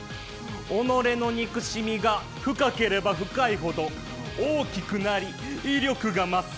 己の憎しみが深ければ深いほど大きくなり、威力が増す。